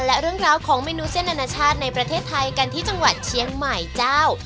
และเรื่องราวของเมนูเส้นอนาชาติในประเทศไทยกันที่จังหวัดเชียงใหม่เจ้า